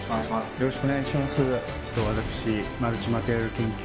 よろしくお願いします